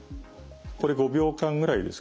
これ５秒間ぐらいですかね